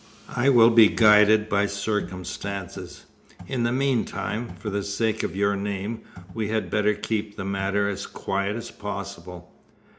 "I will be guided by circumstances. In the meantime, for the sake of your name, we had better keep the matter as quiet as possible."